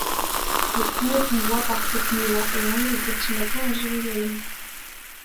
Le premier convoi part cette nuit-là et arrive au petit matin à Jérusalem.